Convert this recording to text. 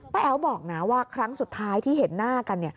แอ๋วบอกนะว่าครั้งสุดท้ายที่เห็นหน้ากัน